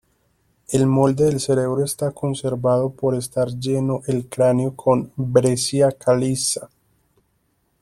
El molde del cerebro está conservado por estar lleno el cráneo con breccia caliza.